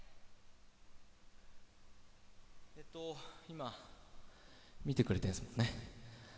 今、見てくれてるんですもんね。